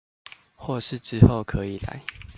或是之後可以來